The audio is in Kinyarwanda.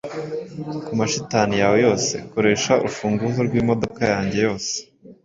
Kumashitani yawe yose, koresha urufunguzo rwimodoka yanjye yose